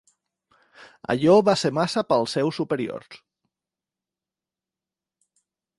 Allò va ser massa pels seus superiors.